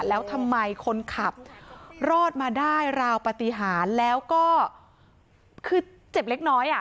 แล้วทำไมคนขับรอดมาได้ราวปฏิหารแล้วก็คือเจ็บเล็กน้อยอ่ะ